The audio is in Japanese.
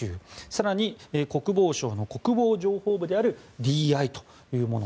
更に国防省の国防情報部であるＤＩというもの。